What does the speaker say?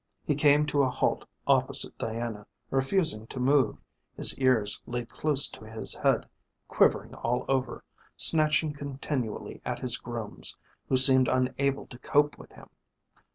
He came to a halt opposite Diana, refusing to move, his ears laid close to his head, quivering all over, snatching continually at his grooms, who seemed unable to cope with him.